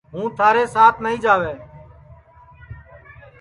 ہوں تھارے سات نائی جاوے